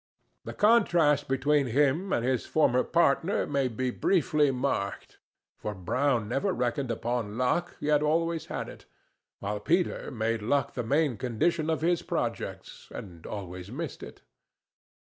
The contrast between him and his former partner may be briefly marked, for Brown never reckoned upon luck, yet always had it, while Peter made luck the main condition of his projects, and always missed it.